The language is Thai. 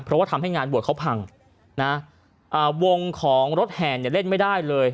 เพราะว่าทำให้งานบวชเขาพังนะวงของรถแห่นเนี่ยเล่นไม่ได้เลย